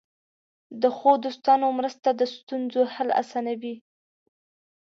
د ښو دوستانو مرسته د ستونزو حل آسانوي.